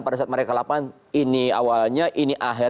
pada saat mereka lapangan